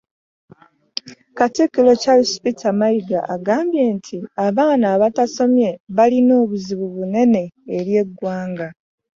Katikkiro Charles Peter Mayiga agambye nti abaana abatasomye balina obuzibu bunene eri eggwanga.